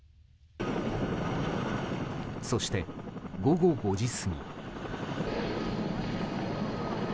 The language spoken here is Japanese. そして午後５時過ぎ。